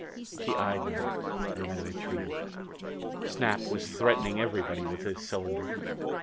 She eyed me and then retreated. Snap was threatening everybody with his cylinder.